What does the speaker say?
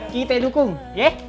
kita dukung ye